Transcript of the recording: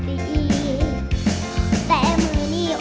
ดำน้ำที่๓